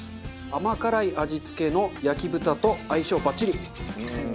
甘辛い味付けの焼豚と相性バッチリ。